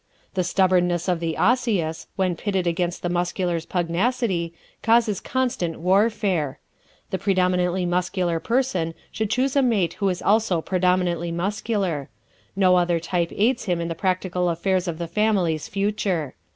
The stubborness of the Osseous, when pitted against the Muscular's pugnacity, causes constant warfare. The predominantly Muscular person should choose a mate who is also predominantly Muscular. No other type aids him in the practical affairs of the family's future.